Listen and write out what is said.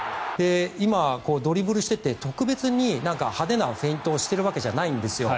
今、ドリブルをしていて特別に派手なフェイントをしているわけじゃないんですよ。